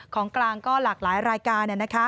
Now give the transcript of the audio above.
ของกลางก็หลากหลายรายการ